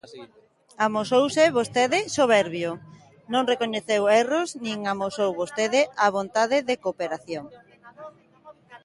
Amosouse vostede soberbio, non recoñeceu erros nin amosou vostede a vontade de cooperación.